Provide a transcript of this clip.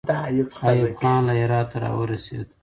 ایوب خان له هراته راورسېد.